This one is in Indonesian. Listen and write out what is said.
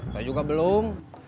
saya juga belum